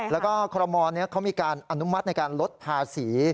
แล้วก็คลมมีการอนุมัติในการลดภาษี